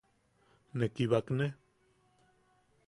¿Ne kibakne?